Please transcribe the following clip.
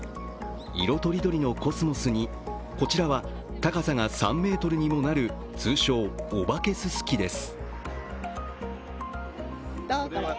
色とりどりのコスモスに、こちらは高さが３ｍにもある通称・おばけススキです。